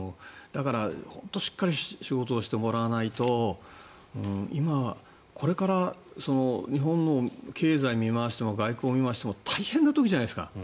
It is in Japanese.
だから本当にしっかり仕事をしてもらわないと今、これから日本の経済を見回しても外交を見回しても大変な時じゃないですか。